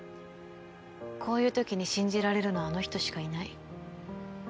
こういう時に信じられるのはあの人しかいない。